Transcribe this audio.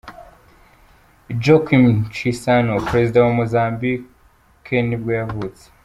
Joaquim Chissano, perezida wa wa Mozambique nibwo yavutse.